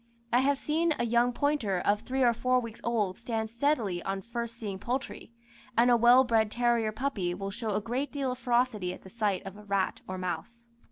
I have seen a young pointer of three or four weeks old stand steadily on first seeing poultry, and a well bred terrier puppy will show a great deal of ferocity at the sight of a rat or mouse.